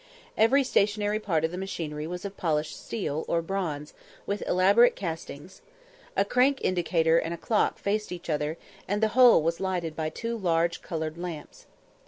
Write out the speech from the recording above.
Every stationary part of the machinery was of polished steel, or bronze, with elaborate castings; a crank indicator and a clock faced each other, and the whole was lighted by two large coloured lamps.